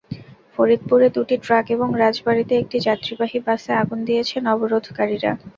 ফরিদপুরে দুটি ট্রাক এবং রাজবাড়ীতে একটি যাত্রীবাহী বাসে আগুন দিয়েছেন অবরোধকারীরা।